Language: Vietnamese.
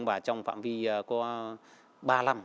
và trong phạm vi có ba năm